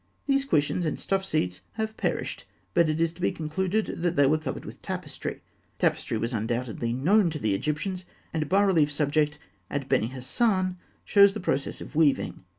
These cushions and stuffed seats have perished, but it is to be concluded that they were covered with tapestry. Tapestry was undoubtedly known to the Egyptians, and a bas relief subject at Beni Hasan (fig. 271) shows the process of weaving.